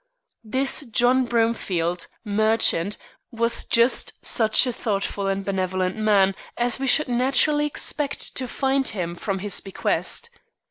This John Bromfield, merchant, was just such a thoughtful and benevolent man as we should naturally expect to find him from his bequest.